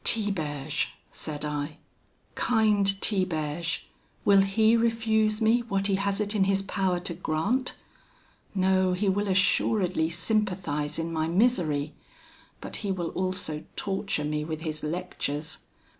"'Tiberge,' said I, 'kind Tiberge, will he refuse me what he has it in his power to grant? No, he will assuredly sympathise in my misery; but he will also torture me with his lectures!